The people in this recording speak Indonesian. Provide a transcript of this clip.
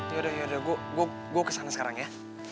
yaudah deh gue kesana sekarang ya